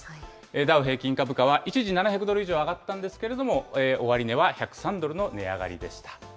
ダウ平均株価は一時７００ドル以上上がったんですけれども、終値は１０３ドルの値上がりでした。